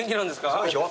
そうでしょ。